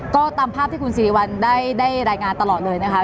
ก็ตามภาพที่คุณสิริวัลได้รายงานตลอดเลยนะคะ